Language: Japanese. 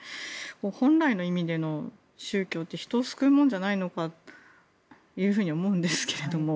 本来の意味での宗教って人を救うものじゃないかって思うんですけれども。